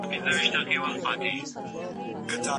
ماشوم له تېروتنې زده کړه وکړه او تعليم ښه سو.